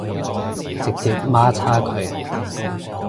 直接媽叉佢